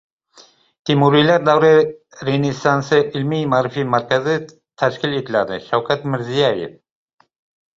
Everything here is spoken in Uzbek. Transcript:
“Temuriylar davri Renessansi” ilmiy-ma’rifiy markazi tashkil etiladi-Shavkat Mirziyoyev